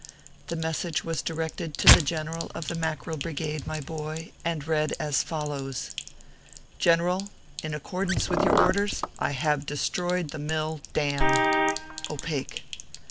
The message was directed to the General of the Mackerel Brigade, my boy, and read as follows :" GENERAL : In accordance with your orders, I have destroyed the mill d n. O PAKE."